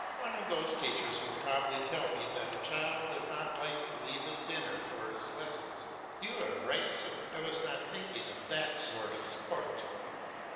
One of these teachers will probably tell me that a child does not like to leave his dinner for his lessons. You are right, sir I was not thinking of that sort of sport.